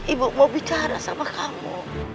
ibu mau bicara sama kamu